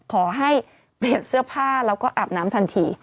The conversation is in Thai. ขอให้เปลี่ยนเสื้อผ้าแล้วก็อาบน้ำทันที